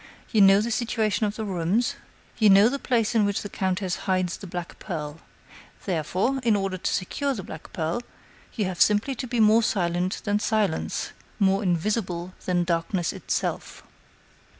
You know the situation of the rooms; you know the place in which the countess hides the black pearl. Therefore, in order to secure the black pearl, you have simply to be more silent than silence, more invisible than darkness itself."